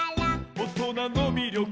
「おとなのみりょく」